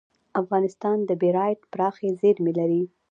افغانستان د بیرایت پراخې زیرمې لري.